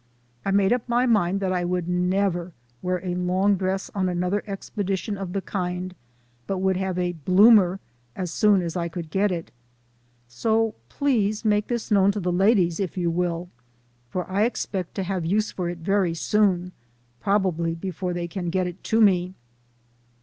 I made up my mind then I would never wear a long dress on another expedition of the kind, but would have a, bloomer as soon as I could get it. So please make this known to the ladies, if you will, for I expect to have use for it very soon, probably before they can get it to me.